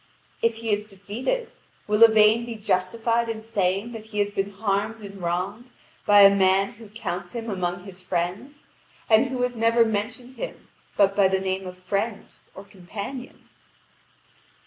If he is defeated, will Yvain be justified in saying that he has been harmed and wronged by a man who counts him among his friends, and who has never mentioned him but by the name of friend or companion?